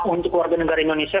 untuk warga negara indonesia